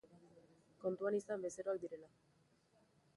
Kontuan izan bezeroak direla.